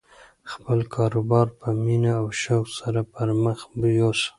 خپل کاروبار په مینه او شوق سره پرمخ یوسه.